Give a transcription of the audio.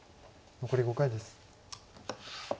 残り５回です。